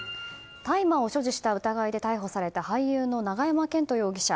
大麻を所持した疑いで逮捕された俳優の永山絢斗容疑者。